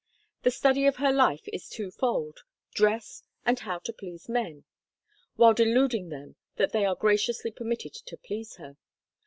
The study of her life is twofold: dress and how to please men—while deluding them that they are graciously permitted to please her.